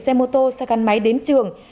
xe mô tô xe gắn máy đến trường